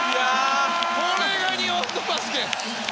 これが日本のバスケ！